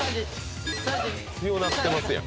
強なってますやん